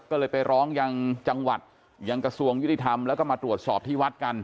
ก็เลยไปร้องยังจังหวัดยังกระทรวงยุติธรรมแล้วก็มาตรวจสอบที่วัดกัน